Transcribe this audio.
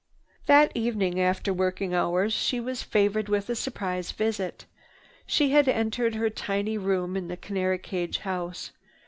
That evening after working hours she was favored with a surprise visit. She had entered her tiny room in the canary cage house.